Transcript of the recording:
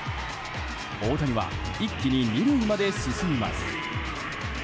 大谷は一気に２塁まで進みます。